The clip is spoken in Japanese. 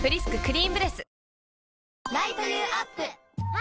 あ！